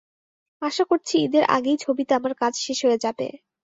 আশা করছি ঈদের আগেই ছবিতে আমার কাজ শেষ হয়ে যাবে।